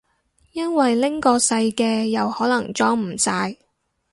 因為拎個細嘅又可能裝唔晒